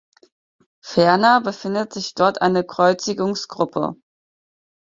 Ferner befindet sich dort eine Kreuzigungsgruppe.